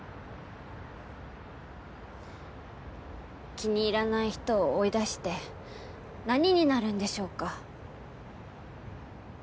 気に入らない人を追い出して何になるんでしょうか？